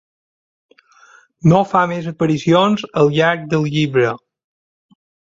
No fa més aparicions al llarg del llibre.